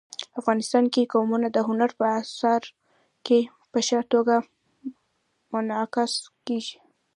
افغانستان کې قومونه د هنر په اثار کې په ښه توګه منعکس کېږي.